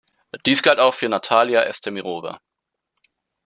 Dies galt auch für Natalia Estemirova.